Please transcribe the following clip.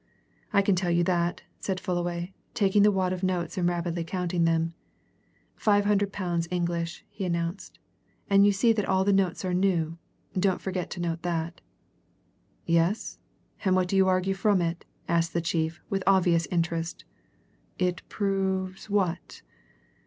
"I can tell you that," said Fullaway, taking the wad of notes and rapidly counting them. "Five hundred pounds English," he announced. "And you see that all the notes are new don't forget to note that." "Yes? what do you argue from it?" asked the chief, with obvious interest. "It proves what?"